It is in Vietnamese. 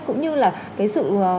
cũng như là cái sự